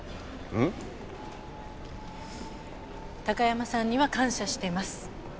高山さんには感謝してます。